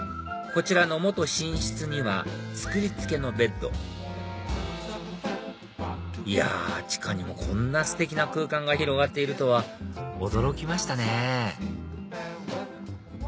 こちらの寝室には作り付けのベッドいや地下にもこんなステキな空間が広がっているとは驚きましたね